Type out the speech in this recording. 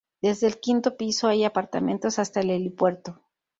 Desde el quinto piso hay apartamentos hasta el helipuerto.